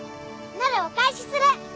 なるお返しする。